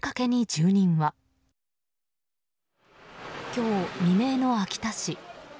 今日未明の秋田市。